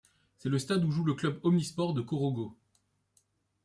C'est le stade où joue le Club Omnisports de Korhogo.